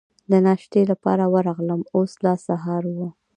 د ناشتې لپاره ورغلم، اوس لا سهار و.